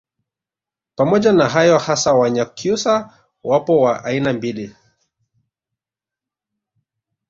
Pamoja na hayo hasa Wanyakyusa wapo wa aina mbili